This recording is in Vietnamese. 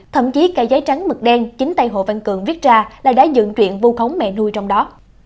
thậm chí cả giấy trắng mực đen chính tay hồ văn cường viết ra là đã dựng chuyện vu khống mẹ nuôi trong đó